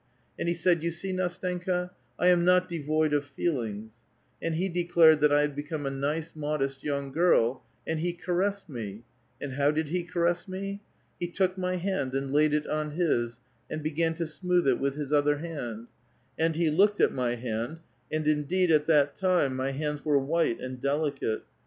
And he said, * You see, Ndstenka, I am not devoid of feelings.' And he declared that I had become a nice modest vounir girl, and he caressed me; and how did he caress me? He took my hand and laid it on his, and began to smooth it with his other hand ; and he looked at my hand, and indeed at that time my hands were white and delicate.